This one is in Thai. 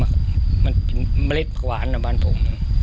เขาเป็นมะเร็ดขวานอ่ะบ้านผม